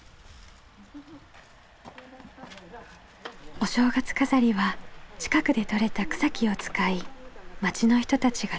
お正月飾りは近くでとれた草木を使い町の人たちが手作りしたもの。